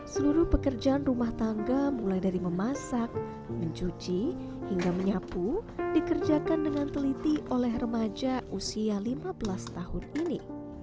seluruh pekerjaan rumah tangga mulai dari memasak mencuci hingga menyapu dikerjakan dengan teliti oleh remaja usia lima belas tahun ini